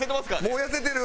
もう痩せてる？